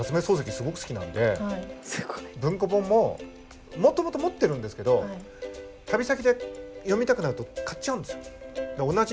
すごく好きなんで文庫本ももともと持ってるんですけど旅先で読みたくなると買っちゃうんですよ。